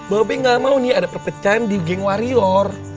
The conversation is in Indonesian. babe nggak mau nih ada perpecahan di geng warior